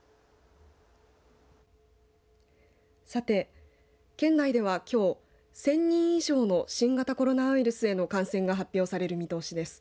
さて、県内ではきょう１０００人以上の新型コロナウイルスへの感染が発表される見通しです。